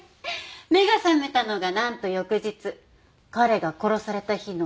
目が覚めたのがなんと翌日彼が殺された日の午前１０時。